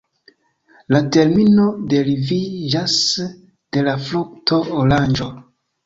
La termino deriviĝas de la frukto oranĝo.